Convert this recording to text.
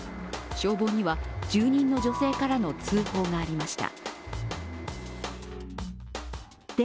消防には住人の女性からの通報がありました。